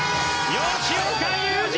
吉岡雄二！